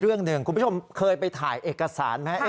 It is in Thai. เรื่องหนึ่งคุณผู้ชมเคยไปถ่ายเอกสารไหม